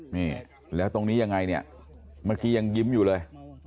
นี่แล้วตรงนี้ยังไงเนี่ยเมื่อกี้ยังยิ้มอยู่เลย